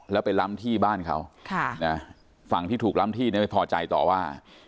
แล้วไปล้ำที่บ้านเขาฝั่งที่ถูกล้ำที่เนี่ยไม่พอใจต่อว่า